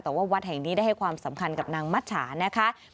แต่ว่าวัดแห่งนี้ได้ให้ความสำคัญกับนางมัชชานะคะ